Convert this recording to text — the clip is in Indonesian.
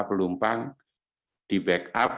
pelumpang di backup